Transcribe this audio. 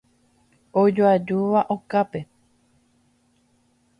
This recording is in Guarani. Ojoajúva okápe.